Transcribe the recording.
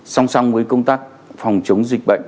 song song với công tác phòng chống dịch bệnh